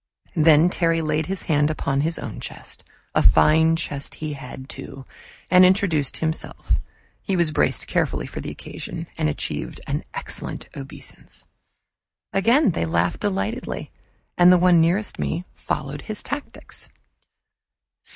Then Terry laid his hand upon his chest a fine chest he had, too, and introduced himself; he was braced carefully for the occasion and achieved an excellent obeisance. Again they laughed delightedly, and the one nearest me followed his tactics.